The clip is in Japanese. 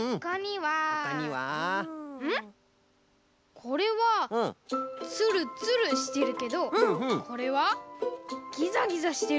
これはツルツルしてるけどこれはギザギザしてる。